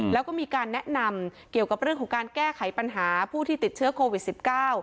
แล้วก็มีการแนะนำเกี่ยวกับเรื่องของการแก้ไขปัญหาผู้ที่ติดเชื้อโควิดสิบเก้า